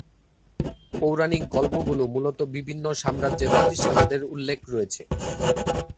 পৌরাণিক গল্পগুলো মূলত বিভিন্ন সাম্রাজ্যের প্রতিষ্ঠাতাদের উল্লেখ রয়েছে।